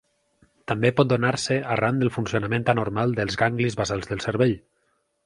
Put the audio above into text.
També pot donar-se arran del funcionament anormal dels ganglis basals del cervell.